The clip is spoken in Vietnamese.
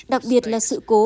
đặc biệt là sự cố